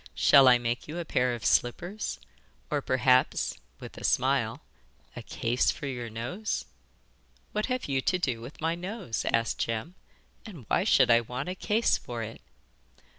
Shall I make you a pair of slippers, or perhaps' with a smile 'a case for your nose?' 'What have you to do with my nose?' asked Jem. 'And why should I want a case for it?